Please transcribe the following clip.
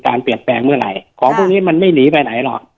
เปลี่ยนแปลงเมื่อไหร่ของพวกนี้มันไม่หนีไปไหนหรอก